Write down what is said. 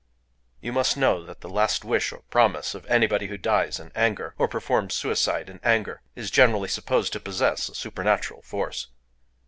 —You must know that the last wish or promise of anybody who dies in anger, or performs suicide in anger, is generally supposed to possess a supernatural force.